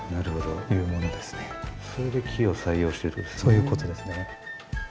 そういうことですね。